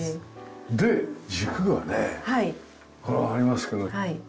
で軸がねありますけど。